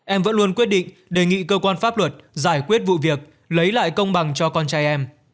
em vẫn luôn quyết định đề nghị cơ quan pháp luật giải quyết vụ việc lấy lại công bằng cho con trai em